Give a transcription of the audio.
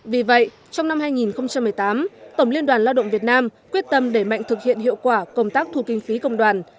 vì vậy trong năm hai nghìn một mươi tám tổng liên đoàn lao động việt nam quyết tâm đẩy mạnh thực hiện hiệu quả công tác thu kinh phí công đoàn